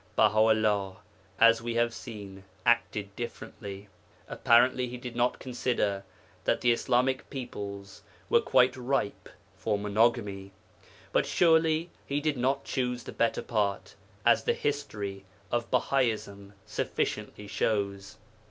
Baha 'ullah, as we have seen, acted differently; apparently he did not consider that the Islamic peoples were quite ripe for monogamy. But surely he did not choose the better part, as the history of Bahaism sufficiently shows.